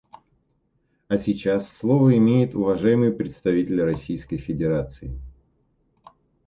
А сейчас слово имеет уважаемый представитель Российской Федерации.